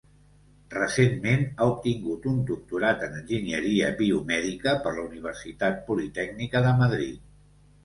Recentment ha obtingut un Doctorat en Enginyeria Biomèdica per la Universitat Politècnica de Madrid.